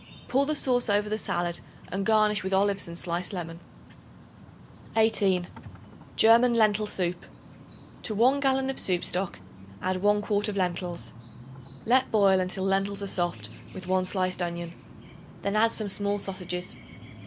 Pour the sauce over the salad and garnish with olives and sliced lemon. 18. German Lentil Soup. To 1 gallon of soup stock, add 1 quart of lentils. Let boil until lentils are soft, with 1 sliced onion. Then add some small sausages.